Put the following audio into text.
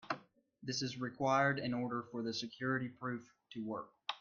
This is required in order for the security proof to work.